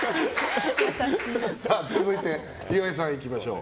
続いて、岩井さんいきましょう。